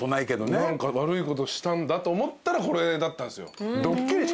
何か悪いことしたんだと思ったらこれだったんすよ。